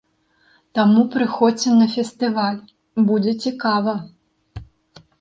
Таму прыходзьце на фестываль, будзе цікава!